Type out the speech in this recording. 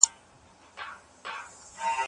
عطر دي د ښار پر ونو خپور کړمه